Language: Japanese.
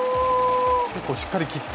結構しっかり切って。